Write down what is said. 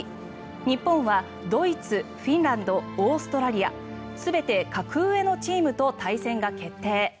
日本はドイツ、フィンランドオーストラリア全て格上のチームと対戦が決定。